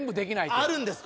あるんです